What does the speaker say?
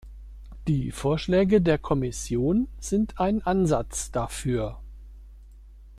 Die Vorschläge der Kommission sind ein Ansatz dafür.